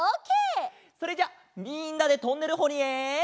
それじゃあみんなでトンネルほりへ。